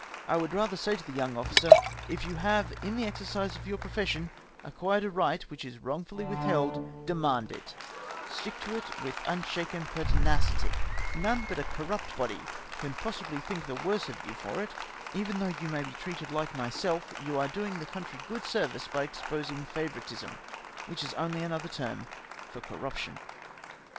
I would rather say to the young officer —" If you have, in the exercise of yoiu profession, ac quired a right which is wrongfully withheld — demand it, stick to it mth unshaken pertinacity ;— none but a corrupt body can possibly think the worse of you for it ; even though you may be treated like myself — you are domg yoiur country good service by exposing favouritism, which is only another term for corruption."